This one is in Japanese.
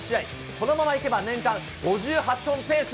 このままいけば年間５８本ペース。